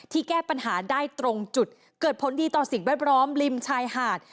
แก้ปัญหาได้ตรงจุดเกิดผลดีต่อสิ่งแวดล้อมริมชายหาด